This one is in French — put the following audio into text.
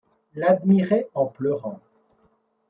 L'admirait en pleurant.